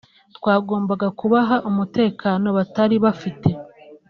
Twagombaga kubaha umutekano batari bafite